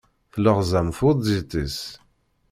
Telleɣẓam tweṭzit-is.